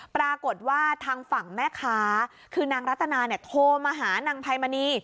ปรากฏว่าทางฝั่งแม่ค้าคือนางรัตนาเนี่ยโทรมาหานางไพมณี